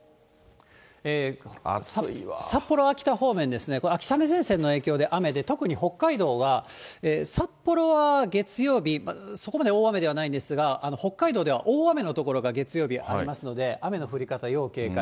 札幌、秋田方面ですね、これ秋雨前線の影響で雨で、特に北海道は札幌は月曜日、そこまで大雨ではないんですが、北海道では大雨の所が月曜日ありますので、雨の降り方、要警戒。